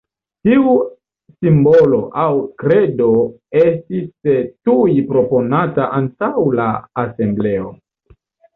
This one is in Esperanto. Tiu simbolo aŭ kredo estis tuj proponata antaŭ la asembleo.